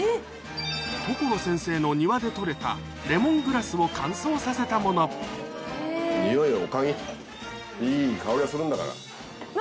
所先生の庭で採れたレモングラスを乾燥させたもの匂いをお嗅ぎいい香りがするんだから。